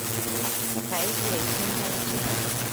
臺鐵新店線